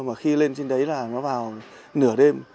và khi lên trên đấy là nó vào nửa đêm